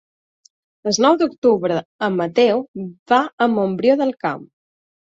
El nou d'octubre en Mateu va a Montbrió del Camp.